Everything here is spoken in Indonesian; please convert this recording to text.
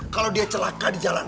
kalau dia celaka di jalan